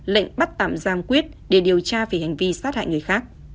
lệnh bắt tạm giam quyết để điều tra về hành vi sát hại người khác